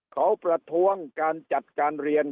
เขาประท้วงการจัดการเรียน